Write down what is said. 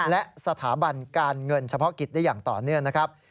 และสถาบันการเงินเฉพาะกิจได้อย่างต่อเนื่องนะครับ